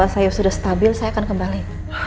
saya sudah stabil saya akan kembali